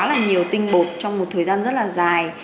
rất là nhiều tinh bột trong một thời gian rất là dài